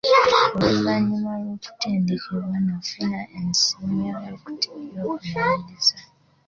Oluvannyuma lw'okutendekebwa, nafuna ensiimyo y'okumaliriza.